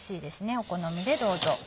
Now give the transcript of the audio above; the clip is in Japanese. お好みでどうぞ。